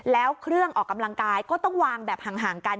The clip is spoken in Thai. แล้วเครื่องออกกำลังกายก็ต้องวางแบบห่างกัน